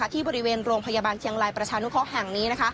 ที่บริเวณโรงพยาบาลเชียงรายประชานุเคราะห์แห่งนี้